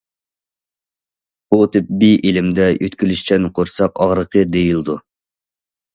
بۇ تېببىي ئىلىمدە‹‹ يۆتكىلىشچان قورساق ئاغرىقى›› دېيىلىدۇ.